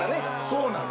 そうなの。